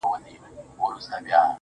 o زما ياران اوس په دې شكل سـوله.